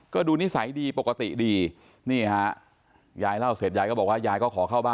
ก็ดูนิสัยดีปกติดีนี่เนื้อยายเล่าเศ็ดยายก็บอกว่ายายก็